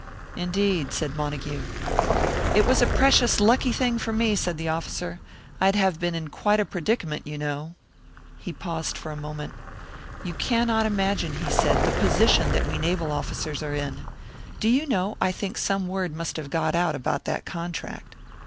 "Indeed," said Montague. "It was a precious lucky thing for me," said the officer. "I'd have been in quite a predicament, you know." He paused for a moment. "You cannot imagine," he said, "the position that we naval officers are in. Do you know, I think some word must have got out about that contract."